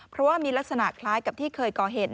เพราะว่ามีลักษณะคล้ายกับที่เคยก่อเหตุ